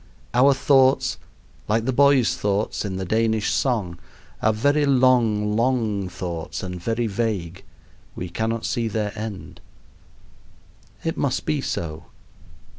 Our thoughts, like the boys' thoughts in the Danish song, are very long, long thoughts, and very vague; we cannot see their end. It must be so.